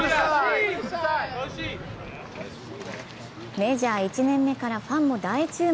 メジャー１年目からファンも大注目。